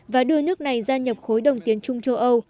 và đưa nước này ra nhập khối đồng tiến trung châu âu